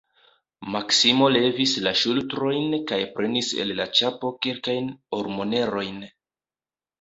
Maksimo levis la ŝultrojn kaj prenis el la ĉapo kelkajn ormonerojn.